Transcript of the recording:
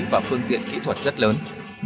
và phương tiện kỹ thuật rất lớn